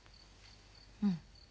うん。